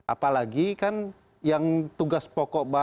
apalagi kan yang tugas pokok